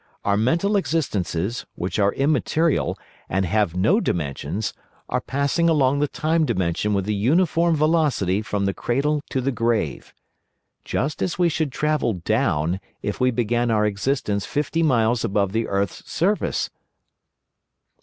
Our mental existences, which are immaterial and have no dimensions, are passing along the Time Dimension with a uniform velocity from the cradle to the grave. Just as we should travel down if we began our existence fifty miles above the earth's surface."